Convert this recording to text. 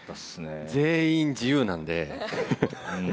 全員自由なんで。